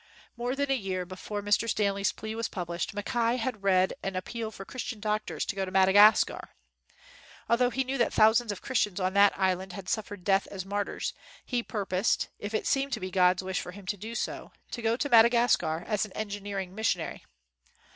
More than a year before Mr. Stanley's plea was published, Mackay had read an ap peal for Christian doctors to go to Madagas car. Although he knew that thousands of Christians on that island had suffered death as martyrs, he purposed, if it seemed to be God's wish for him to do so, to go to Mada gascar as an " engineering missionary."